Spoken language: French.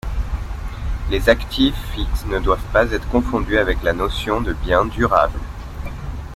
Les actifs fixes ne doivent pas être confondus avec la notion de bien durable.